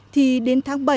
thì đến tháng